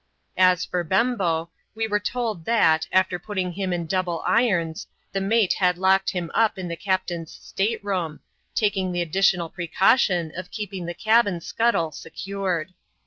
As for Bembo, we were told that, after putting him in double irons, the mate had locked him up in the captain's state room, taking the additional precaution of keeping the cabin scuttle secured.